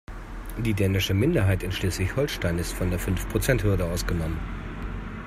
Die dänische Minderheit in Schleswig-Holstein ist von der Fünfprozenthürde ausgenommen.